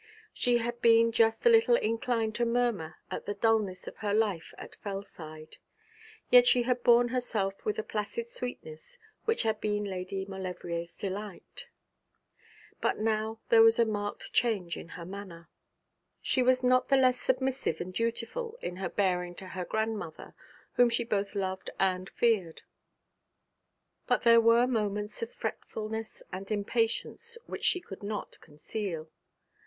She had been just a little inclined to murmur at the dulness of her life at Fellside; yet she had borne herself with a placid sweetness which had been Lady Maulevrier's delight. But now there was a marked change in her manner. She was not the less submissive and dutiful in her bearing to her grandmother, whom she both loved and feared; but there were moments of fretfulness and impatience which she could not conceal.